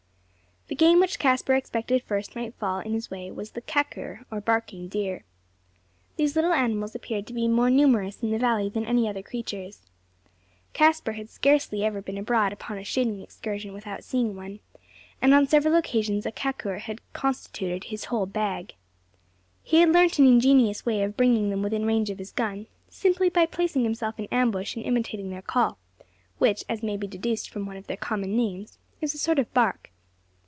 The game which Caspar expected first might fall in his way was the "kakur," or barking deer. These little animals appeared to be more numerous in the valley than any other creatures. Caspar had scarcely ever been abroad upon a shooting excursion without seeing one; and on several occasions a kakur had constituted his whole "bag." He had learnt an ingenious way of bringing them within range of his gun simply by placing himself in ambush and imitating their call; which, as may be deduced from one of their common names, is a sort of bark.